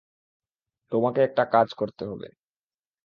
তোমাকে একটা কাজ করতে হবে।